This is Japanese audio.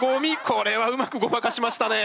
これはうまくごまかしましたね。